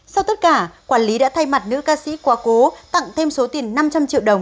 sau tất cả quản lý đã thay mặt nữ ca sĩ quá cố tặng thêm số tiền năm trăm linh triệu đồng